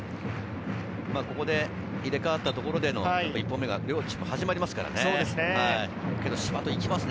ここで入れ替わったところでの１本目が両チーム始まりますからね。